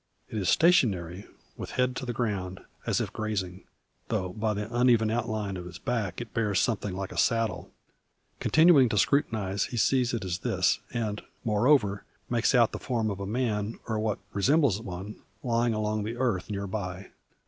It is stationary with head to the ground, as if grazing, though by the uneven outline of its back it bears something like a saddle. Continuing to scrutinise, he sees it is this; and, moreover, makes out the form of a man, or what resembles one, lying along the earth near by.